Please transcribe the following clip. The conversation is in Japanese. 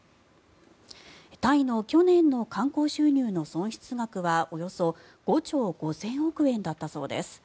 タイの去年の観光収入の損失額はおよそ５兆５０００億円だったそうです。